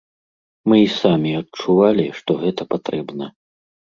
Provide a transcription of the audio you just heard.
Мы і самі адчувалі, што гэта патрэбна.